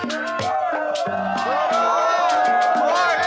kegal dia untuk melihat tate terhadap tete